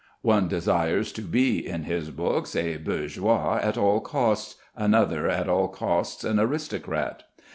One desires to be in his books a bourgeois at all costs, another at all costs an aristocrat.